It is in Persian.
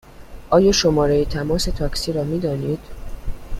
آیا شماره تماس تاکسی را می دانید؟